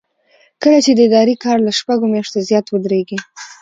کله چې د ادارې کار له شپږو میاشتو زیات ودریږي.